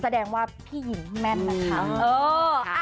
แสดงว่าพี่หญิงแม่นนะคะ